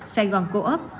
sài gòn co op